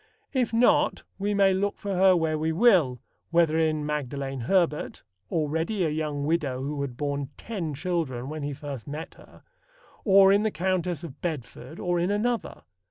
If not, we may look for her where we will, whether in Magdalen Herbert (already a young widow who had borne ten children when he first met her) or in the Countess of Bedford or in another.